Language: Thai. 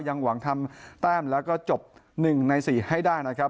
ยังหวังทำแต้มแล้วก็จบ๑ใน๔ให้ได้นะครับ